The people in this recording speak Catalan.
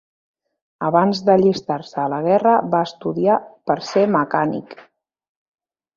Abans d'allistar-se a la guerra, va estudiar per ser mecànic.